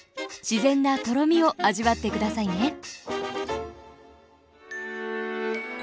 自然なとろみを味わって下さいね。